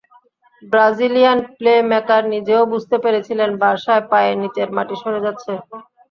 Brazilian playmaker নিজেও বুঝতে পেরেছিলেন, বার্সায় পায়ের নিচের মাটি সরে যাচ্ছে।